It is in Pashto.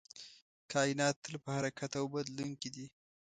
کائنات تل په حرکت او بدلون کې دی.